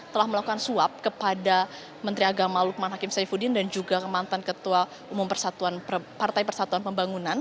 telah melakukan suap kepada menteri agama lukman hakim saifuddin dan juga mantan ketua umum partai persatuan pembangunan